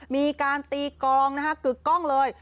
มีการตีกองนะฮะกึกกล้องเลย